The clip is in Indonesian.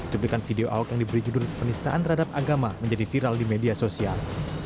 cuplikan video ahok yang diberi judul penistaan terhadap agama menjadi viral di media sosial